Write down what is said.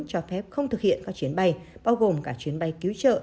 cho phép không thực hiện các chuyến bay bao gồm cả chuyến bay cứu trợ